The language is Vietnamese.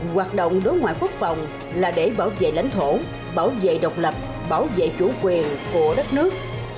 hoạt động đối ngoại quốc phòng là để bảo vệ lãnh thổ bảo vệ độc lập bảo vệ chủ quyền của đất nước